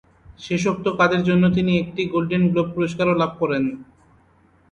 শেষোক্ত কাজের জন্য তিনি একটি গোল্ডেন গ্লোব পুরস্কারও লাভ করেন।